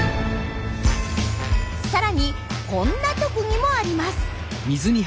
さらにこんな特技もあります。